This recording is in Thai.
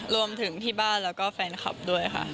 รวมถึงที่บ้านแล้วก็แฟนคลับด้วยค่ะ